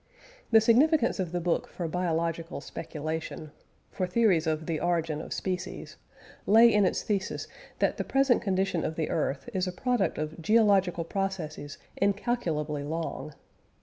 The significance of the book for biological speculation for theories of the origin of species lay in its thesis that the present condition of the earth is the product of geological processes incalculably long.